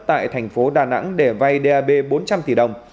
lại thành phố đà nẵng để vay dab bốn trăm linh tỷ đồng